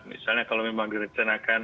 misalnya kalau memang direncanakan